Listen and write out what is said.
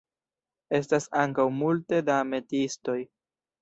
Estas ankaŭ multe da metiistoj.